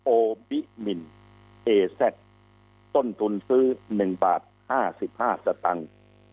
โอบิมินเอแซ็ตต้นทุนซื้อหนึ่งบาทห้าสิบห้าสตางค์